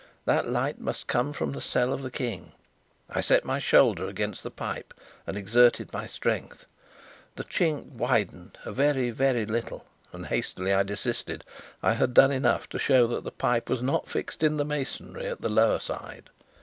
That light must come from the cell of the King! I set my shoulder against the pipe and exerted my strength. The chink widened a very, very little, and hastily I desisted; I had done enough to show that the pipe was not fixed in the masonry at the lower side.